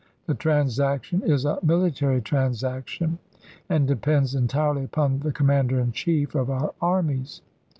The transaction is a military transaction, and depends entirely upon the Com mander in Chief of our armies.